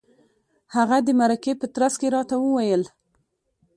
هغه د مرکې په ترڅ کې راته وویل.